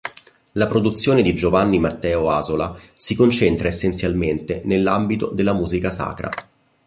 La produzione di Giovanni Matteo Asola si concentra essenzialmente nell'ambito della musica sacra